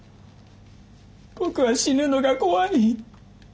僕は死ぬのが怖い。